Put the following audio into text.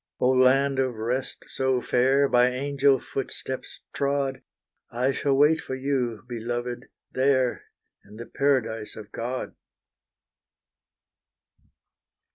Oh, land of rest so fair By angel footsteps trod, I shall wait for you, beloved there, In the paradise of God.